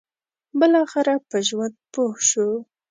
بالاخره په ژوند پوه شو.